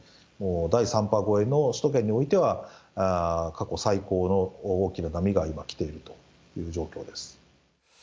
第３波超えの首都圏においては、過去最高の大きな波が今来ているという状況です。